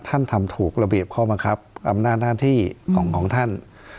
ท่านทำถูกระเบียบข้อบังคับอำนาจหน้าที่ของท่าน